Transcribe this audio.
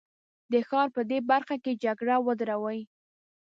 د ښار په دې برخه کې جګړه ودروي.